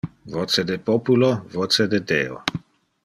Voce de populo, voce de Deo.